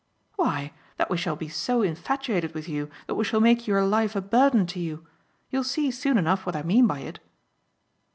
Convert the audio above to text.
"Why, that we shall be so infatuated with you that we shall make your life a burden to you. You'll see soon enough what I mean by it."